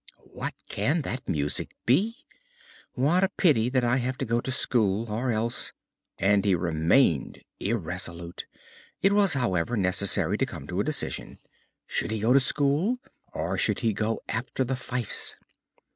"What can that music be? What a pity that I have to go to school, or else " And he remained irresolute. It was, however, necessary to come to a decision. Should he go to school? or should he go after the fifes?